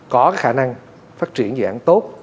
có khả năng phát triển dự án tốt